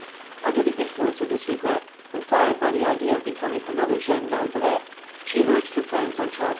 ] Under the influence of this regret, and fired by the idea of becoming another Jeanne d'Albret, she urged her plans on Charles X.